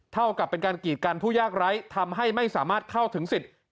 เท่ากับเป็นการกีดกันผู้ยากไร้ทำให้ไม่สามารถเข้าถึงสิทธิ์